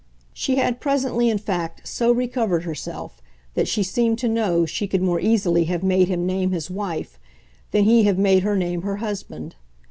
She had presently in fact so recovered herself that she seemed to know she could more easily have made him name his wife than he have made her name her husband.